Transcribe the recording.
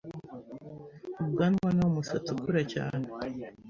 Ubwanwa ni wo musatsi ukura cyane